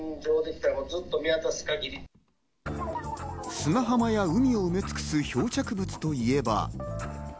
砂浜や海を覆い尽くす漂着物といえば。